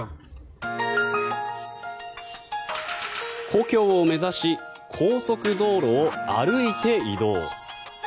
故郷を目指し高速道路を歩いて移動。